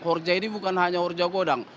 jorja ini bukan hanya horja godang